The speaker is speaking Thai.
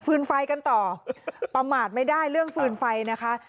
ไฟกันต่อประมาทไม่ได้เรื่องฟืนไฟนะคะ